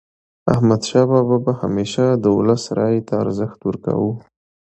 احمدشاه بابا به همیشه د ولس رایې ته ارزښت ورکاوه.